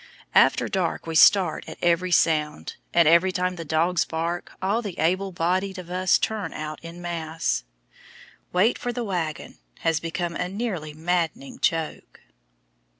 After dark we start at every sound, and every time the dogs bark all the able bodied of us turn out en masse. "Wait for the wagon" has become a nearly maddening joke.